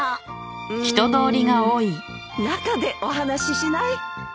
うーん中でお話ししない？